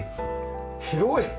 広い！